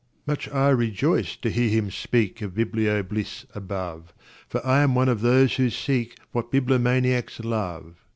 Much I rejoiced to hear him speakOf biblio bliss above, For I am one of those who seekWhat bibliomaniacs love.